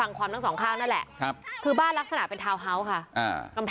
เลิกเลิกเลิกเลิกเลิกเลิกเลิกเลิกเลิกเลิกเลิกเลิก